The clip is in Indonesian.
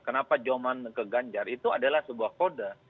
kenapa joman ke ganjar itu adalah sebuah kode